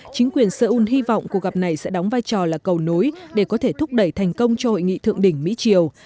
chính quyền seoul hy vọng cuộc gặp này sẽ đóng vai trò là cầu nối để có thể thúc đẩy thành công cho hội nghị thượng đỉnh mỹ triều